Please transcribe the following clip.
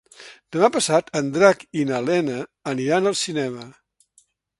Demà passat en Drac i na Lena aniran al cinema.